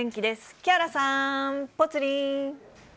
木原さん、ぽつリン。